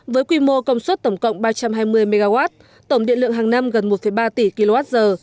với quy mô công suất tổng cộng ba trăm hai mươi mw tổng điện lượng hàng năm gần một ba tỷ kwh